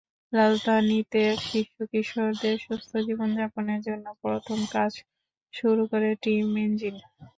রাজধানীতে শিশু-কিশোরদের সুস্থ জীবনযাপনের জন্য প্রথম কাজ শুরু করে টিম ইঞ্জিন।